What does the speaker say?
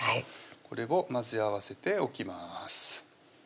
これを混ぜ合わせておきます